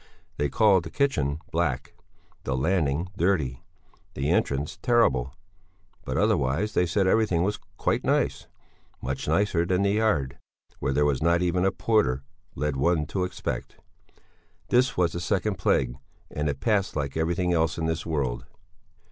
They called the kitchen black, the landing dirty, the entrance terrible; but otherwise they said everything was quite nice, much nicer than the yard, where there was not even a porter, led one to expect. This was the second plague, and it passed like everything else in this world.